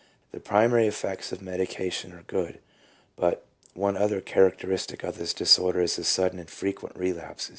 The primary effects of medi cation are good, but one other characteristic of this disorder is the sudden and frequent relapses.